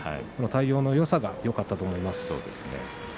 対応のよさがよかったと思います。